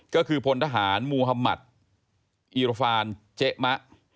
ก็คือพลทหารมูฮัมมัติอีรฟานเจ๊มะ